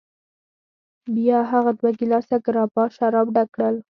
بیا هغه دوه ګیلاسه ګراپا شراب ډک کړل.